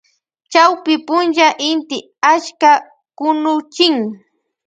Chawpy punlla inti achka kunuchin.